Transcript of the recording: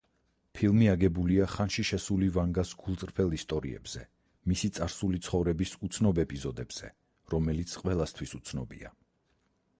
ფილმი აგებულია ხანშიშესული ვანგას გულწრფელ ისტორიებზე მისი წარსული ცხოვრების უცნობ ეპიზოდებზე, რომელიც ყველასთვის უცნობია.